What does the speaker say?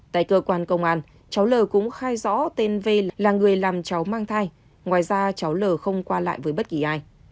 tại cơ quan công an cháu l cũng khai rõ tên v là người làm cháu mang thai ngoài ra cháu l không qua lại với bất kỳ ai